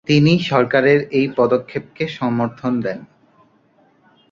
তিনি সরকারের এই পদক্ষেপকে সমর্থন দেন।